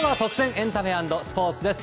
エンタメ＆スポーツです。